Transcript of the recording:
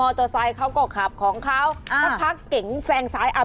เตอร์ไซค์เขาก็ขับของเขาอ่าสักพักเก๋งแซงซ้ายอ่ะ